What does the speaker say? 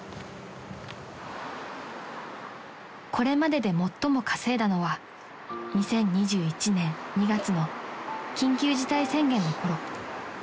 ［これまでで最も稼いだのは２０２１年２月の緊急事態宣言のころ］